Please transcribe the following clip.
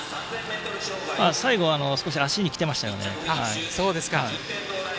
最後、少し足に来ていましたね。